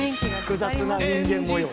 複雑な人間模様。